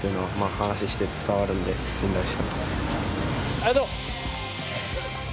ありがとう。